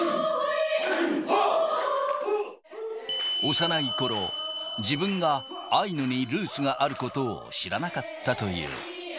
幼いころ、自分がアイヌにルーツがあることを知らなかったという。